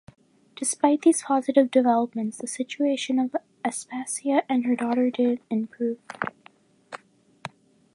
Despite these positive developments, the situation of Aspasia and her daughter didn't improved.